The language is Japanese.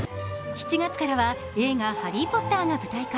７月からは映画「ハリー・ポッター」が舞台化。